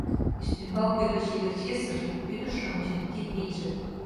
Ӱстембал кӧргӧ чевер чесыже — Ӱдыр-шамычын кид вийже.